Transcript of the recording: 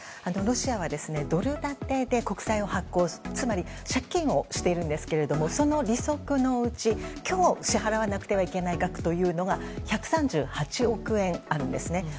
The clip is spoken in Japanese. ロシアはドル建てで国債を発行つまり、借金をしているんですがその利息のうち今日支払わなくてはいけない額が１３８億円あるんですね。